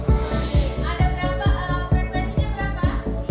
ada berapa perbedaannya berapa